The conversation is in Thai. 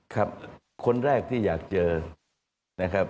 คนแรกที่อยากเจอนะครับ